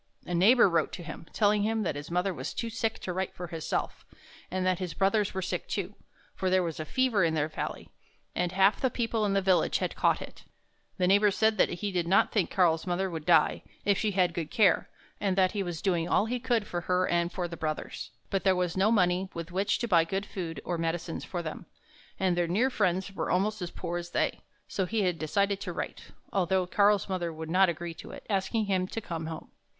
A neighbor wrote to him, telling him that his mother was too sick to write for herself, and that his brothers were sick, too; for there was a fever in their valley, and half the people in the village had caught it. The neighbor said that he did not think Karl's mother would die, if she had good care, and that he was doing all he could for her and for the brothers, but there was no money with which to buy good food or medicines for them, and their near friends were almost as poor as they. So he had decided to write, although Karl's mother would not agree to it, asking him to come home.